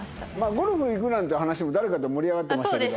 ゴルフ行くなんていう話も誰かと盛り上がってましたけど。